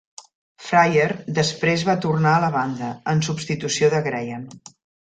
Fryer després va tornar a la banda, en substitució de Graham.